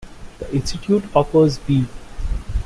The institute offers B.